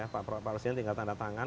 pak parsial tinggal tanda tangan